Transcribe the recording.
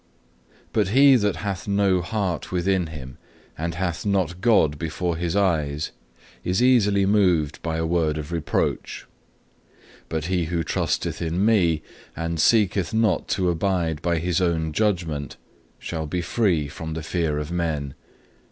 3. "But he that hath no heart within him, and hath not God before his eyes, is easily moved by a word of reproach; but he who trusteth in Me, and seeketh not to abide by his own judgment, shall be free from the fear of men.